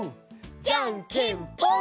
じゃんけんぽん！